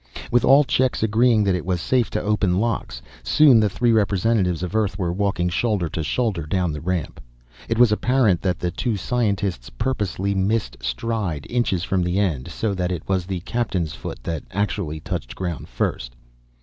With all checks agreeing that it was safe to open locks, soon the three representatives of Earth were walking shoulder to shoulder down the ramp. It was apparent that the two scientists purposely missed stride inches from the end, so that it was the Captain's foot that actually touched ground first.